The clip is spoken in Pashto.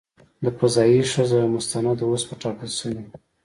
د "فضايي ښځه" مستند اوس په ټاکل شویو .